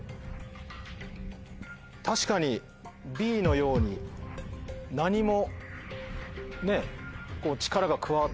確かにＢのように何も。